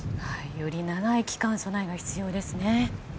より長い期間備えが必要ですね。